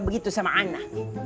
begitu sama anda